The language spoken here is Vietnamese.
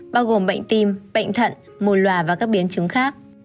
bao gồm bệnh tim bệnh thận mùi lòa và các biến chứng khác